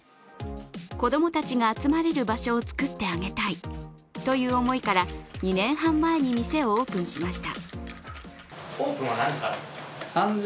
子供たちが集まれる場所を作ってあげたいという思いから２年半前に店をオープンしました。